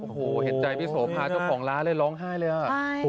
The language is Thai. โอ้โหเห็นใจพี่โสภาเจ้าของร้านเลยร้องไห้เลยอ่ะ